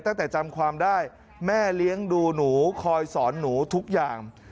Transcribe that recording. จำความได้แม่เลี้ยงดูหนูคอยสอนหนูทุกอย่าง